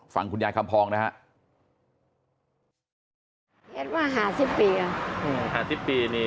ฟังคุณยายคำพองนะฮะ